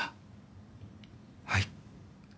はい。